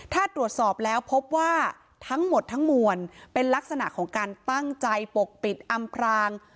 ถ้าตรวจสอบแล้วพบว่าทั้งหมดทั้งมวลเป็นลักษณะของการตั้งใจปกปิดอำพราง